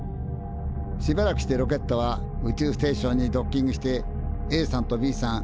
しばらくしてロケットは宇宙ステーションにドッキングしてＡさんとＢさん